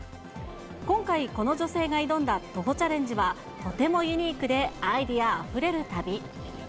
今回、この女性が挑んだ徒歩チャレンジは、とてもユニークでアイデアあふれる旅。